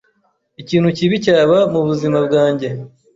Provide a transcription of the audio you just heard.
ikintu kibi cyaba mu buzima bwanjye.